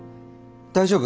大丈夫？